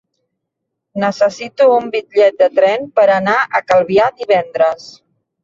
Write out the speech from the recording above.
Necessito un bitllet de tren per anar a Calvià divendres.